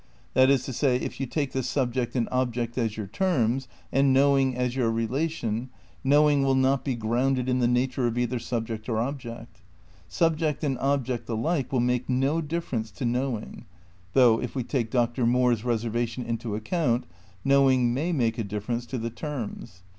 That is to say, if you take the subject and ob ject as your terms and knowing as your relation, know ing will not be grounded in the nature of either subject or object; subject and object alike will make no differ ence to knowing; though, if we take Dr. Moore's reser vation into account,^ knowing may make a difference to the terms.